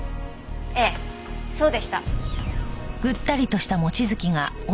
ええそうでした。